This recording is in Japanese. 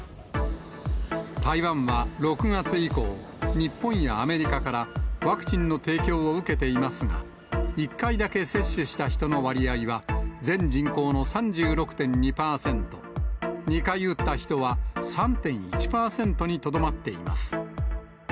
台湾は６月以降、日本やアメリカからワクチンの提供を受けていますが、１回だけ接種した人の割合は、全人口の３６．２％、２回打った人は３．１％にとどまっています。